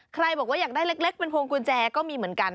บอกว่าอยากได้เล็กเป็นพวงกุญแจก็มีเหมือนกัน